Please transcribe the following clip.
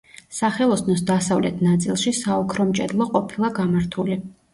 სახელოსნოს დასავლეთ ნაწილში საოქრომჭედლო ყოფილა გამართული.